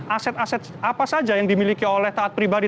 aset aset apa saja yang dimiliki oleh taat pribadi